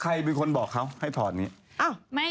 ใครเป็นคนบอกเขาให้ถอดนี้